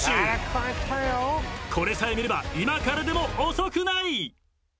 ［これさえ見れば今からでも遅くない！］